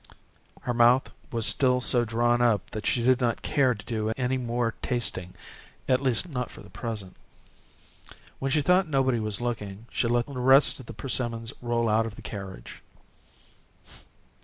Her mouth was still so drawn up that she did not care to do any more tasting at least, not for the present. When she thought nobody was looking, she let the rest of the persimmons roll out of the carriage.